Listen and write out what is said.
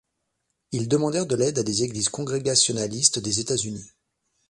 Ils demandèrent de l'aide à des églises congrégationnalistes des États-Unis.